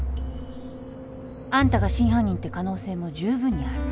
あんたが真犯人って可能性もじゅうぶんにある。